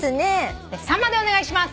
「秋刀魚」でお願いします。